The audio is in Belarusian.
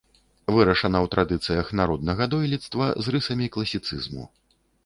Вырашана ў традыцыях народнага дойлідства з рысамі класіцызму.